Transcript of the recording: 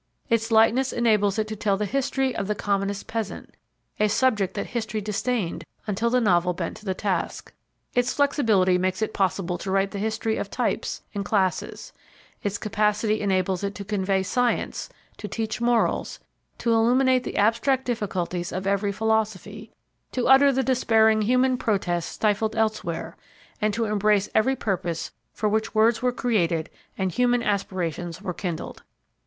Its lightness enables it to tell the history of the commonest peasant a subject that History disdained until the Novel bent to the task. Its flexibility makes it possible to write the history of types and classes; its capacity enables it to convey science, to teach morals, to illuminate the abstract difficulties of every philosophy, to utter the despairing human protests stifled elsewhere, and to embrace every purpose for which words were created and human aspirations were kindled.